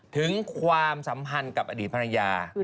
ความสัมพันธ์กับอดีตภรรยา